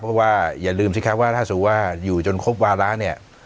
เพราะว่าอย่าลืมสิครับว่าถ้าสมมุติว่าอยู่จนครบวาระเนี่ย